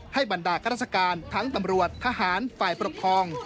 บรรดาข้าราชการทั้งตำรวจทหารฝ่ายปกครอง